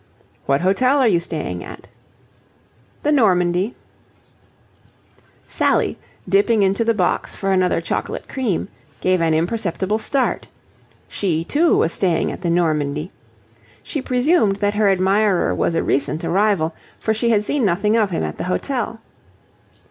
"What hotel are you staying at?" "The Normandie." Sally, dipping into the box for another chocolate cream, gave an imperceptible start. She, too, was staying at the Normandie. She presumed that her admirer was a recent arrival, for she had seen nothing of him at the hotel.